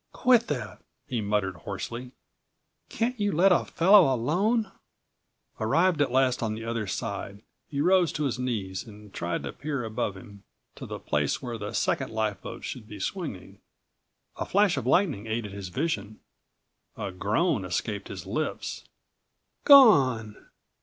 206 "Quit that!" he muttered hoarsely. "Can't you let a fellow alone." Arrived at last on the other side, he rose to his knees and tried to peer above him to the place where the second lifeboat should be swinging. A flash of lightning aided his vision. A groan escaped his lips. "Gone!"